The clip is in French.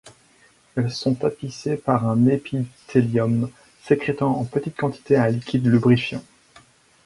Elles sont tapissées par un épithélium sécrétant en petite quantité un liquide lubrifiant.